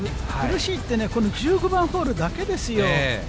苦しいってね、この１５番ホールだけですよ。